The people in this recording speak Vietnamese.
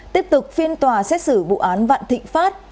tiếp tục phiên tòa xét xử bụi án vạn thịnh phát